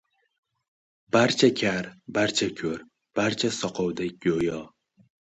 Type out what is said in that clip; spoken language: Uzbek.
«Barcha kar, barcha ko‘r, barcha soqovdek go‘yo...»